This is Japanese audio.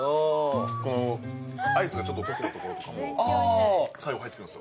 このアイスがちょっととけてるところとかも、最後入ってくるんですよ。